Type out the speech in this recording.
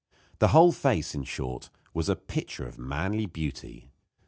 The whole face, in short, was a picture of manly beauty.